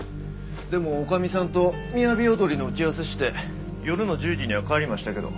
でも女将さんとみやび踊りの打ち合わせして夜の１０時には帰りましたけど。